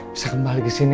bisa kembali ke sini